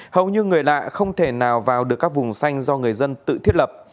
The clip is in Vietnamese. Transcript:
hầu như người lạ không thể nào vào được các vùng xanh do người dân tự thiết lập